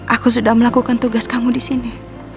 aku sudah melakukan tugas kamu disini